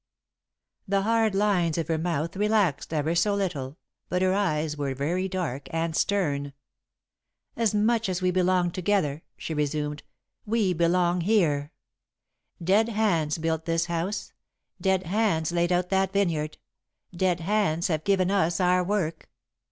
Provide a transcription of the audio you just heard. The hard lines of her mouth relaxed, ever so little, but her eyes were very dark and stern. "As much as we belong together," she resumed, "we belong here. Dead hands built this house, dead hands laid out that vineyard, dead hands have given us our work.